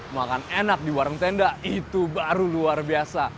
makan enak di warung tenda itu baru luar biasa